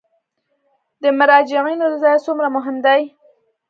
د مراجعینو رضایت څومره مهم دی؟